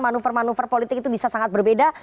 manuver manuver politik itu bisa sangat berbeda